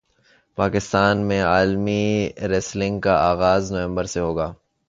پاکستان میں عالمی ریسلنگ کا اغاز نومبر سے ہوگا